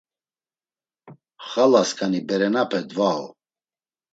Xalasǩani berenape dvau.